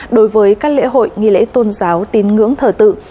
đối với các lễ hội nghi lễ tôn giáo tín ngưỡng thờ tự